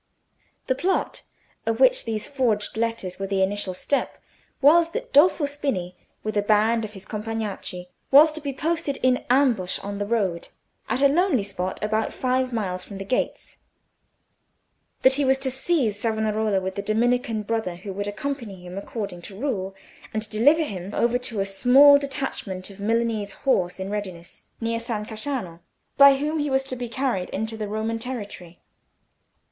The plot, of which these forged letters were the initial step, was that Dolfo Spini with a band of his Compagnacci was to be posted in ambush on the road, at a lonely spot about five miles from the gates; that he was to seize Savonarola with the Dominican brother who would accompany him according to rule, and deliver him over to a small detachment of Milanese horse in readiness near San Casciano, by whom he was to be carried into the Roman territory.